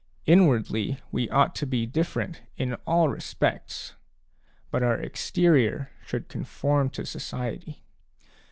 Inwardly, we ought to be different in all respects, but our exterior should conform to society.